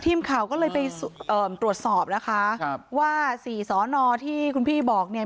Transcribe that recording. ทีมข่าวก็เลยไปเอ่อตรวจสอบนะคะครับว่าสี่สอนอที่คุณพี่บอกเนี่ย